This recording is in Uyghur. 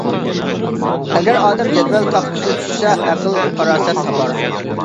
ئەگەر ئادەم جەدۋەل تاختىسى چۈشىسە ئەقىل-پاراسەت تاپار.